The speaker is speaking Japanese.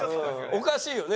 おかしいよね。